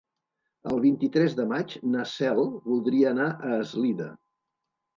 El vint-i-tres de maig na Cel voldria anar a Eslida.